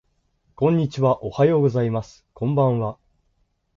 こんにちはおはようございますこんばんは